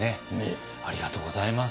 ありがとうございます。